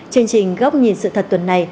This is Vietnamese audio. chương trình góc nhìn sự thật tuần này